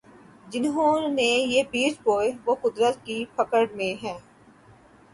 جنہوں نے یہ بیج بوئے وہ قدرت کی پکڑ میں ہیں۔